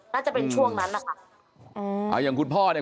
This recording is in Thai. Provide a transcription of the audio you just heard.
น่าจะเป็นช่วงนั้นนะคะอืมอ่าอย่างคุณพ่อเนี่ย